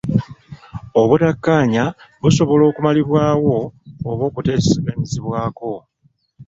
Obutakkaanya busobola okumalibwawo oba okuteeseganyizibwako.